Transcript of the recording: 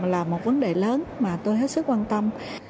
là một vấn đề lớn mà tôi hết sức quan tâm